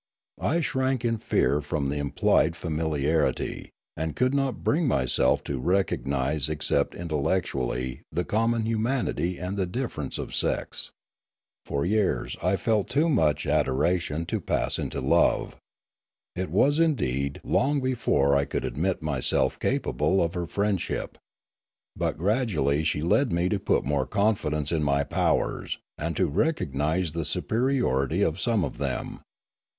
I shrank in fear from the implied familiarity, and could not bring myself to recognise except intellectually the common humanity and the difference of sex. For years I felt Journey to the Valley of Memories 59 too much adoration to pass into love. It was indeed long before I could admit myself capable of her friend ship. But gradually she led me to put more confidence in my powers, and to recognise the superiority of some of them.